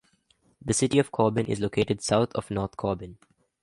The city of Corbin is located south of North Corbin.